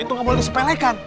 itu gak boleh disepelekan